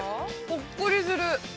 ほっこりする。